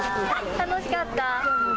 楽しかった。